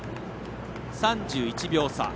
３１秒差。